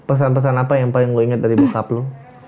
pesan pesan apa yang paling gue inget dari bu kaplu